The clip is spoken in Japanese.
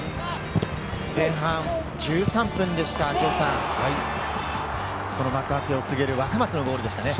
前半１３分でした、幕開けを告げる若松のゴールでしたね。